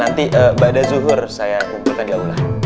nanti pada zuhur saya kumpulkan dia ulang